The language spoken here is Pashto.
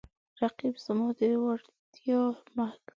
رقیب زما د وړتیاو محک دی